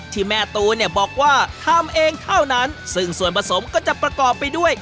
ที่แม่ตูเนี่ยบอกว่าทำเองเท่านั้นซึ่งส่วนผสมก็จะประกอบไปด้วย